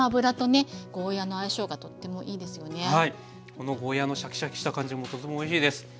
このゴーヤーのシャキシャキした感じもとてもおいしいです。